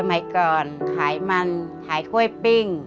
ใหม่ก่อนขายมันขายถ้วยปิ้ง